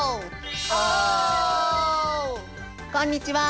こんにちは。